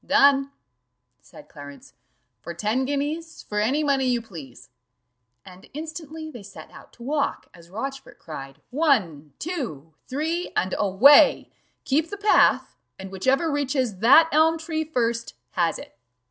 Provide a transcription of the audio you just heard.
"Done," said Clarence, "for ten guineas for any money you please:" and instantly they set out to walk, as Rochfort cried "one, two, three, and away; keep the path, and whichever reaches that elm tree first has it."